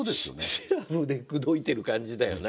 しらふで口説いてる感じだよね。